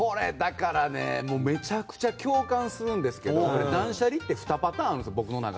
めちゃくちゃ共感するんですけど断捨離って、僕の中で２パターンあるんですよ。